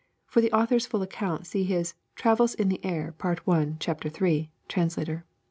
For the author's full account see his "Travels in the Air," Part I. Chapter 3. — Translator.